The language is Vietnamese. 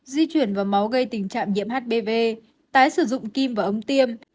di chuyển và máu gây tình trạng nhiễm hpv tái sử dụng kim và ấm tiêm